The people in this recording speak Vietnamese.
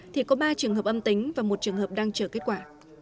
thì có ba trường hợp âm tính và một trường hợp đang chờ kết quả